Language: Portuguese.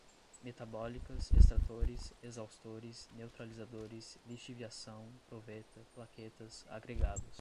metabólicas, extratores, exaustores, neutralizadores, lixiviação, proveta, plaquetas, agregados